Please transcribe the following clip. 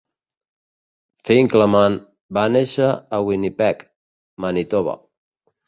Finkleman va néixer a Winnipeg, Manitoba.